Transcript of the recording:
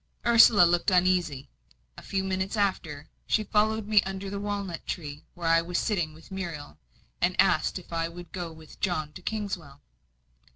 Ursula looked uneasy. A few minutes after, she followed me under the walnut tree, where I was sitting with Muriel, and asked me if I would go with John to Kingswell.